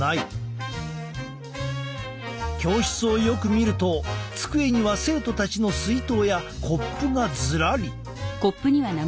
教室をよく見ると机には生徒たちの水筒やコップがズラリ。